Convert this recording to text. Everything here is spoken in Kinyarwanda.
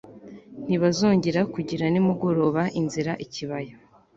Ntibazongera kugira nimugoroba inzira ikibaya